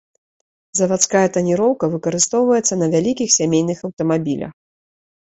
Завадская таніроўка выкарыстоўваецца на вялікіх сямейных аўтамабілях.